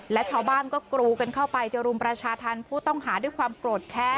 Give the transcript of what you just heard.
และชาวบ้านก็กรูกันเข้าไปจะรุมประชาธรรมผู้ต้องหาด้วยความโกรธแค้น